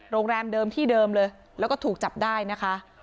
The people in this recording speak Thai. โรงแรมเดิมที่เดิมเลยแล้วก็ถูกจับได้นะคะ